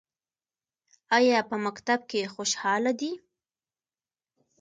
ایا په مکتب کې خوشحاله دي؟